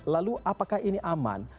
lalu apakah ini aman